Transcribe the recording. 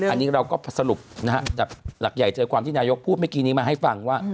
อันนี้เราก็สรุปนะฮะแต่หลักใหญ่ใจความที่นายกพูดเมื่อกี้นี้มาให้ฟังว่า